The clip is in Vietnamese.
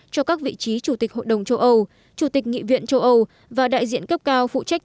cho các vị trí chủ tịch hội đồng châu âu chủ tịch nghị viện châu âu và đại diện cấp cao phụ trách